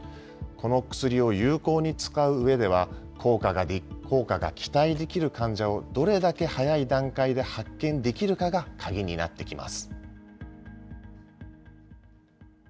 この薬を有効に使ううえでは、効果が期待できる患者をどれだけ早い段階で発見できるかが鍵になってきます。